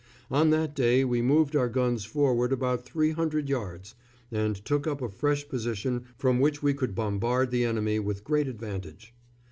On that day we moved our guns forward about three hundred yards, and took up a fresh position from which we could bombard the enemy with great advantage.